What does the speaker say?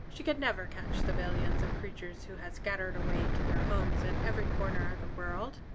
She could never catch the millions of creatures who had scattered away to their homes in every corner of the world.